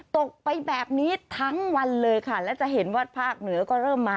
ตกไปแบบนี้ทั้งวันเลยค่ะและจะเห็นว่าภาคเหนือก็เริ่มมา